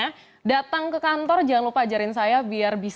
rasa rasa untuk mencintai dan menjaga kebudayaan betawi atau kebudayaan asli indonesia